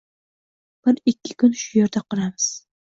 Bir ikki kun shu yerda qolamiz